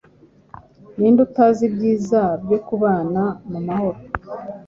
Ni nde utazi ibyiza byo kubana mu mahoro?